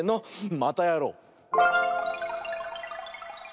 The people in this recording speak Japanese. またやろう！